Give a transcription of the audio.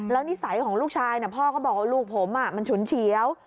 แล้วนิสัยของลูกชายพ่อก็บอกว่าลูกผมมันฉุนเฉียว